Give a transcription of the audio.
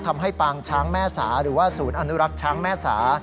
ปางช้างแม่สาหรือว่าศูนย์อนุรักษ์ช้างแม่สา